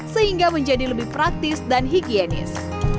sehingga menjadi lebih praktis dan higienis